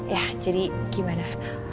ya jadi gimana